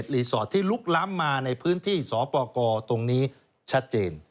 รีสอร์ทที่ลุกล้ำมาในพื้นที่สปกรตรงนี้ชัดเจน